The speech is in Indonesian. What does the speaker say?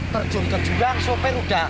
terjun ke jurang soper sudah